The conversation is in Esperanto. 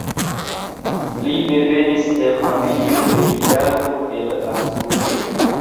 Li devenis el familio de hidalgo el Asturio.